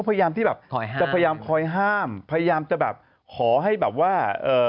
พยายามที่แบบจะพยายามคอยห้ามพยายามจะแบบขอให้แบบว่า